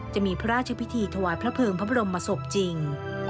จะมีพระราชพิธีถวายพระเภิงพระบรมศพจริง